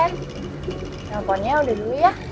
teleponnya udah dulu ya